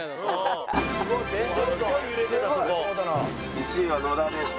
１位は野田でした。